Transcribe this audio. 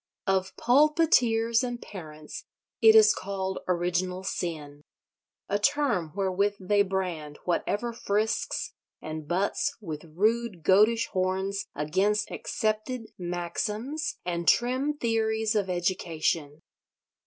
Of pulpiteers and parents it is called Original Sin: a term wherewith they brand whatever frisks and butts with rude goatish horns against accepted maxims and trim theories of education.